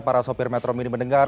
para sopir metro mini mendengar